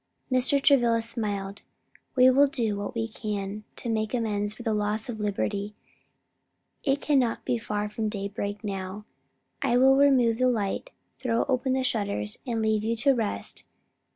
Mr. Travilla smiled. "We will do what we can to make amends for the loss of liberty. It can not be far from daybreak now: I will remove the light, throw open the shutters and leave you to rest.